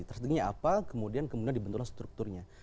tersebutnya apa kemudian kemudian dibentuk strukturnya